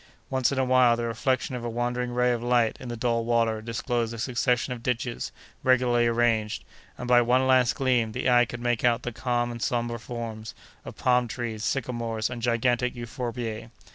Once in a while, the reflection of a wandering ray of light in the dull water disclosed a succession of ditches regularly arranged, and, by one last gleam, the eye could make out the calm and sombre forms of palm trees, sycamores, and gigantic euphorbiae.